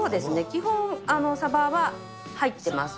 基本、サバは入ってます。